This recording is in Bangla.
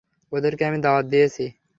ওদেরকে আমি দাওয়াত দিয়েছি।